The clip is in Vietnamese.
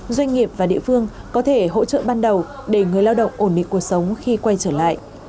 doanh nghiệp và địa phương có thể hỗ trợ ban đầu để người lao động ổn định cuộc sống khi quay trở lại